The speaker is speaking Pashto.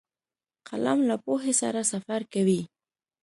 قلم له پوهې سره سفر کوي